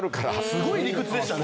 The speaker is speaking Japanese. すごい理屈でしたね。